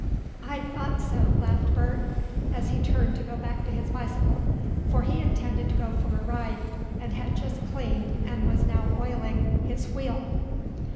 "I thought so!" laughed Bert, as he turned to go back to his bicycle, for he intended to go for a ride, and had just cleaned, and was now oiling, his wheel.